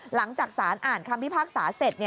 หลังจากสารอ่านคำพิพากษาเสร็จ